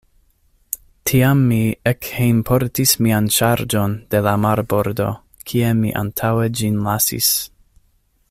Tiam mi ekhejmportis mian ŝarĝon de la marbordo, kie mi antaŭe ĝin lasis.